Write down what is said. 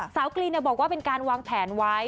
กรีนบอกว่าเป็นการวางแผนไว้